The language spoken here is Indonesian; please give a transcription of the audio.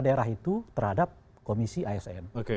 daerah itu terhadap komisi asn